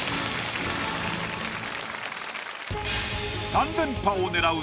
３連覇を狙う